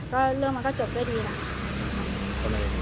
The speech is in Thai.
เรื่องมันก็จบได้ดีแล้ว